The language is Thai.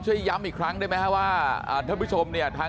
ช่วยย้ำอีกครั้งได้มั้ยว่า